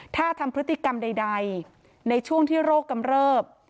ถ้าทำพฤติกรรมใดในช่วงที่โรคกำเริบ